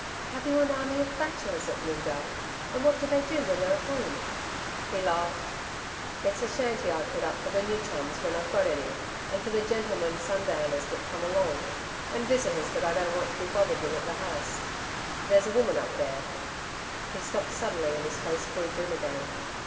Have you an army of Bachelors at Moongarr, and what do they do when they're at home?' He laughed. 'It's a shanty I put up for the new chums when I've got any and for the gentlemen sun downers that come along, and visitors that I don't want to be bothered with at the House. There's a woman up there....' He stopped suddenly and his face grew grim again.